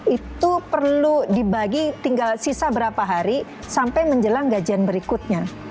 itu perlu dibagi tinggal sisa berapa hari sampai menjelang gajian berikutnya